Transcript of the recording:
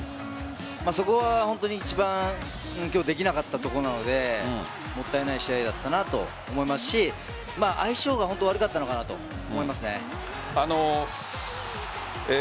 そこは一番今日できなかったところなのでもったいない試合だったなと思いますし相性が悪かったのかなと思います。